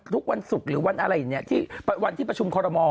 ทุกวันสุขหรือวันอะไรอย่างนี้วันที่ประชุม